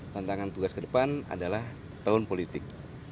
tantangan tugas ke depan adalah tahun politik